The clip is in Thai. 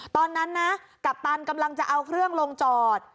ตอนนั้นนะกัปตันกำลังจะเอาเครื่องลงจอด